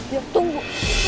gio rupanya tunggu